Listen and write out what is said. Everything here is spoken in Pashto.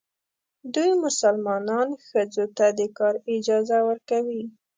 دوی مسلمانان ښځو ته د کار اجازه ورکوي.